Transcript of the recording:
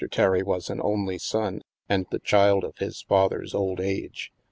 Terry was an only son, and the child of his father's old age.